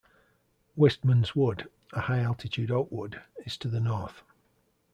Wistman's Wood, a high-altitude oak wood, is to the north.